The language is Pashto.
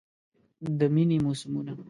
د میینې موسمونه